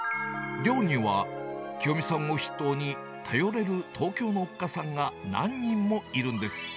寮には、きよみさんを筆頭に、頼れる東京のおっかさんが何人もいるんです。